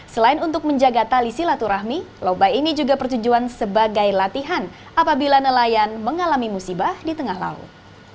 selain untuk menjaga tali silaturahmi lomba ini juga bertujuan sebagai latihan apabila nelayan mengalami musibah di tengah laut